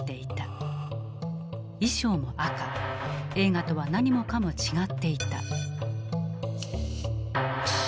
衣装も赤映画とは何もかも違っていた。